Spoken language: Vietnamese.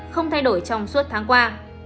không thay đổi trong suốt tháng qua